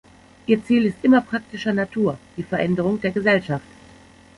Ihr Ziel ist immer praktischer Natur, die Veränderung der Gesellschaft.